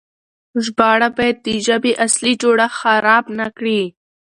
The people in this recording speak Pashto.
ژباړه بايد د ژبې اصلي جوړښت خراب نه کړي.